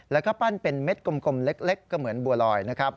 แล้วก็ปั้นเป็นเม็ดกลมเล็กก็เหมือนบัวลอยนะครับ